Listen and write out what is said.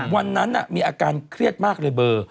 วันนั้นมีอาการเครียดมากเลยเบอร์